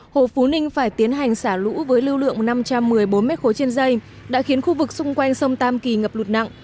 hồ phú ninh phải tiến hành xả lũ với lưu lượng năm trăm một mươi bốn m ba trên dây đã khiến khu vực xung quanh sông tam kỳ ngập lụt nặng